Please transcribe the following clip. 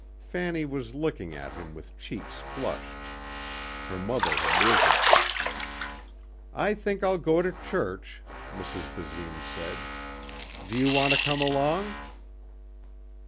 Fanny was looking at him with cheeks flushed. Her mother had risen. "I think I'll go to church," Mrs. Basine said. "Do you want to come along."